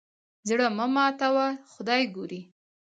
زړه مه ماتوه خدای ګوري.